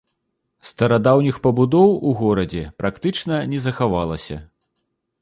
Старадаўніх пабудоў у горадзе практычна не захавалася.